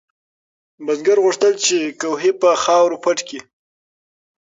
بزګر غوښتل چې کوهی په خاورو پټ کړي.